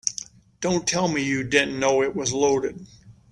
Don't tell me you didn't know it was loaded.